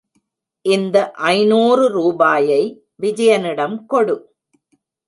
இந்த ஐநூறு ரூபாயை விஜயனிடம் கொடு.